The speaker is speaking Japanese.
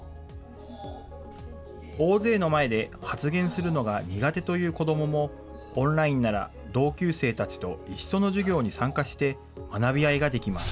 大勢の前で発言するのが苦手という子どもも、オンラインなら同級生たちと一緒の授業に参加して学び合いができます。